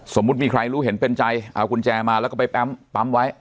สมมุติมีใครรู้เห็นเป็นใจเอากุญแจมาแล้วก็ไปปั๊มไว้